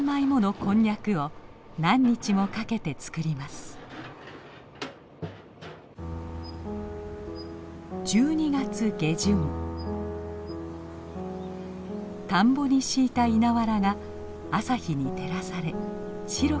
田んぼに敷いた稲わらが朝日に照らされ白く輝きます。